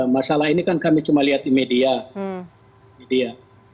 masalah ini kan kami cuma lihat di media